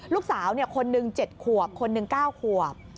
ลูกสาวคนหนึ่ง๗ขวบคนหนึ่ง๙ขวบ